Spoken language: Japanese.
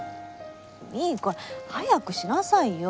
いいから早くしなさいよ！